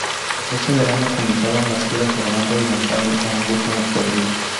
Ese verano comenzaron las giras, grabando y lanzando a un ritmo febril.